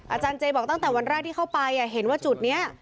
อาจารย์เจบอกตั้งแต่วันแรกที่เข้าไปเห็นว่าจุดนี้